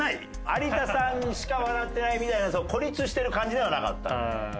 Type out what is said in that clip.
有田さんしか笑ってないみたいな孤立してる感じではなかった。